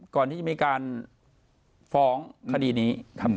ก่อนที่จะมีการฟ้องคดีนี้